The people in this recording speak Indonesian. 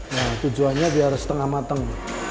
nah tujuannya biar setengah mateng